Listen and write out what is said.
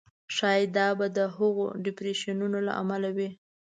ښایي دا به د هغو ډېپریشنونو له امله وي.